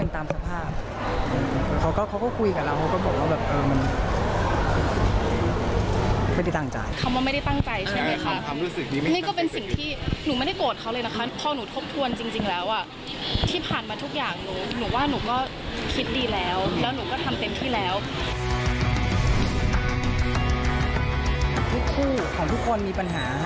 คู่ของทุกคนมีปัญหา